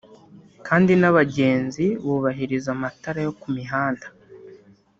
kandi n’abagenzi bubahiriza amatara yo ku mihanda